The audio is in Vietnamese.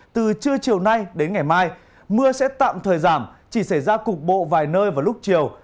từ trưa chiều nay đến ngày mai mưa sẽ tạm thời giảm chỉ xảy ra cục bộ vài nơi vào lúc chiều